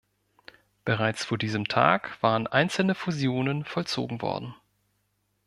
Bereits vor diesem Tag waren einzelne Fusionen vollzogen worden.